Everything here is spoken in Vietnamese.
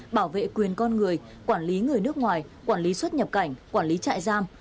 bảo vệ quyền con người quản lý người nước ngoài quản lý xuất nhập cảnh quản lý trại giam